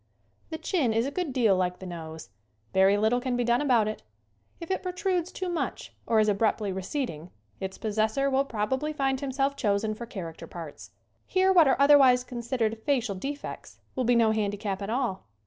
The chin is a good deal like the nose. Very little can be done about it. If it protrudes too much, or is abruptly receding, its possessor will probably find himself chosen for character parts. Here what are otherwise considered facial defects will be no handicap at all.